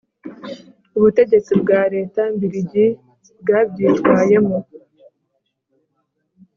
ubutegetsi bwa Leta mbirigi bwabyitwayemo